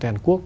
tại hàn quốc